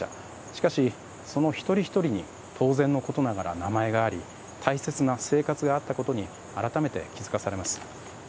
しかし、その一人ひとりに当然のことながら名前があり大切な生活があったことに改めて気づかされます。